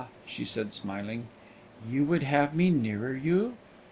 she said, smiling, "you would have me nearer you?